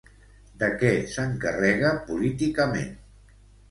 De què s'encarrega políticament?